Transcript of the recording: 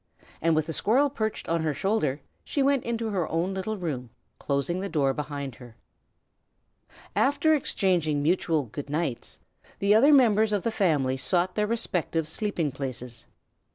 And with the squirrel perched on her shoulder she went into her own little room, closing the door behind her. After exchanging mutual "good nights," the other members of the family sought their respective sleeping places.